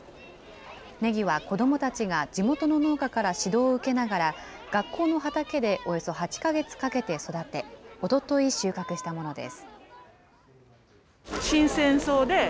ねぎは子どもたちが地元の農家から指導を受けながら、学校の畑でおよそ８か月かけて育て、おととい、収穫したものです。